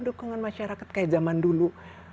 dukungan masyarakat kayak zaman dulu